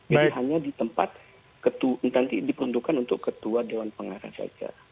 jadi hanya di tempat nanti diperuntukkan untuk ketua dewan pengarah saja